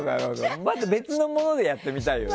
別のものでやってみたいよね。